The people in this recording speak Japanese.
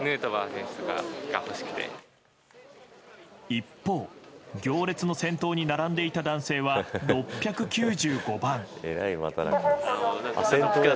一方、行列の先頭に並んでいた男性は６９５番。